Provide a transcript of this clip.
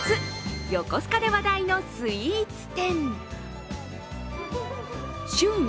横須賀で話題のスイーツ店。